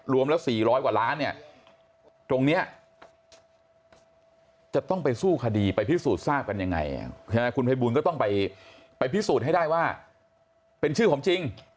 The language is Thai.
รวมแล้ว๔๐๐กว่าล้านเนี่ยตรงนี้จะต้องไปสู้คดีไปพิสูจน์ทราบกันยังไงคุณภัยบูลก็ต้องไปพิสูจน์ให้ได้ว่าเป็นชื่อผมจริง